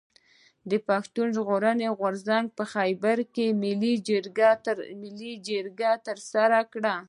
پښتون ژغورني غورځنګ په خېبر کښي ملي جرګه ترسره کړه.